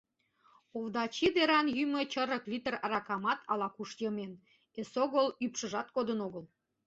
Овдачи деран йӱмӧ чырык литр аракамат ала-куш йымен, эсогыл ӱпшыжат кодын огыл.